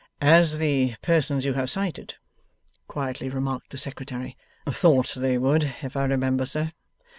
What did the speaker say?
'As the persons you have cited,' quietly remarked the Secretary, 'thought they would, if I remember, sir.